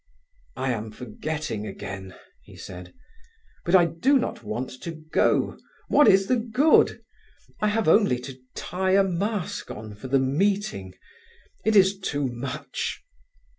"I am forgetting again," he said. "But I do not want to go. What is the good? I have only to tie a mask on for the meeting. It is too much."